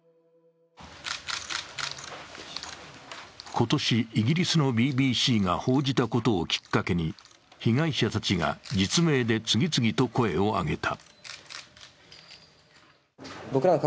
今年、イギリスのＢＢＣが報じたことをきっかけに被害者たちが実名で次々と声を上げた。